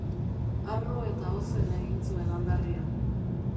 Harro eta ozen egin zuen aldarria.